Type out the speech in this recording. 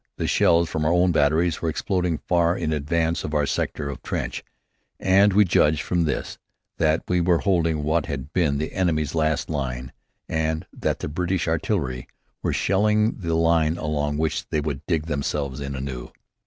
The shells from our own batteries were exploding far in advance of our sector of trench, and we judged from this that we were holding what had been the enemy's last line, and that the British artillery were shelling the line along which they would dig themselves in anew.